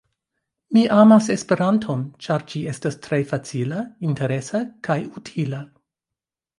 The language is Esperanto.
Mi amas Esperanton, ĉar ĝi estas tre facila, interesa kaj utila.